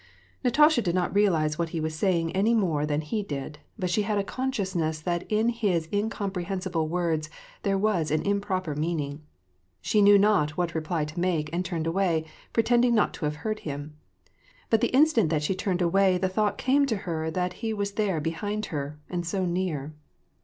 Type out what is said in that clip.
* Natasha did not realize what he was saying any more than he did, but she had a consciousness that in his incomprehensi ble words there was an improper meaning. She knew not what reply to make, and turned away, pretending not to have heard him. But the instant that she turned away the thought came to her that he was there behind her, and so near.